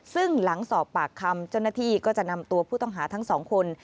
ซึ่งหลังสอบปากคำเจ้าหน้าที่ก็จะนำตัวผู้ต้องหาทั้งสองคน